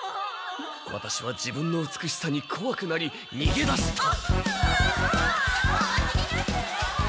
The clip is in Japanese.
ワタシは自分の美しさにこわくなりにげ出した」。